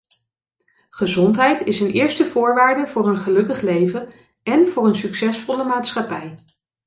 Gezondheid is een eerste voorwaarde voor een gelukkig leven en voor een succesvolle maatschappij.